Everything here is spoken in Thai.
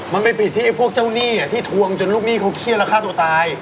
มันไปผิดที่พวกเจ้าหนี้ที่ทวงจนลูกหนี้เขาเครียดแล้วฆ่าตัวตาย